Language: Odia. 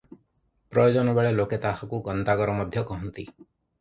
ପ୍ରୟୋଜନବେଳେ ଲୋକେ ତାହାକୁ ଗନ୍ତାଘର ମଧ୍ୟ କହନ୍ତି ।